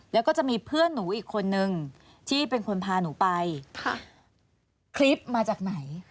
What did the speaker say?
แล้วก็จะมีเพื่อนหนูอีกคนนึงที่เป็นคนพาหนูไปค่ะคลิปมาจากไหน